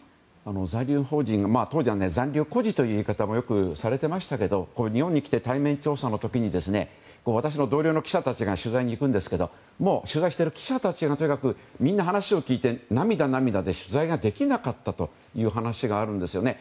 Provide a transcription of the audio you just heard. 残留邦人当時は残留孤児という言い方もされていましたが日本に来て対面調査の時に私の同僚の記者たちが取材に行くんですけどもう取材している記者たちが話を聞いて涙、涙で取材ができなかったという話があるんですよね。